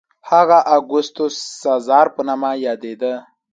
هغه د اګوستوس سزار په نامه یادېده.